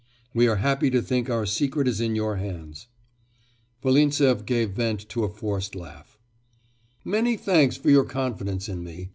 We are happy to think our secret is in your hands.' Volintsev gave vent to a forced laugh. 'Many thanks for your confidence in me!